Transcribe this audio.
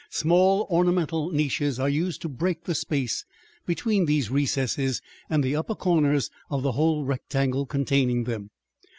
Small ornamental niches are used to break the space between these recesses and the upper corners of the whole rectangle containing them.